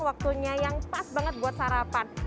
waktunya yang pas banget buat sarapan